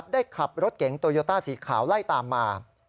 ขับรถเก๋งโตโยต้าสีขาวไล่ตามมา